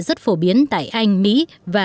rất phổ biến tại anh mỹ và